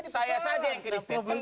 saya saja yang kristen